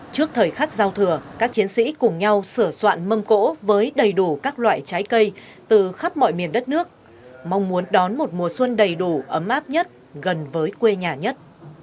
trước thời khắc giao thừa các chiến sĩ cùng nhau sửa soạn mâm cỗ với đầy đủ các loại trái cây từ khắp mọi miền đất nước mong muốn đón một mùa xuân đầy đủ ấm áp nhất gần với quê nhà nhất